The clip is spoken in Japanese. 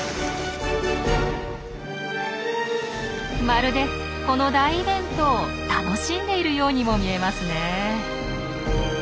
まるでこの大イベントを楽しんでいるようにも見えますね。